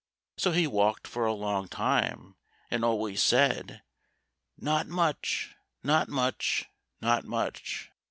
So he walked for a long time and always said, "Not much, not much, not much."